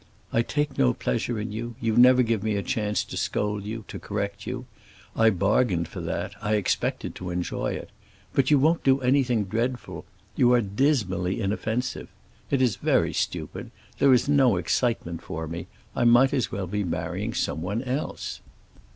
"I take no pleasure in you. You never give me a chance to scold you, to correct you. I bargained for that, I expected to enjoy it. But you won't do anything dreadful; you are dismally inoffensive. It is very stupid; there is no excitement for me; I might as well be marrying someone else."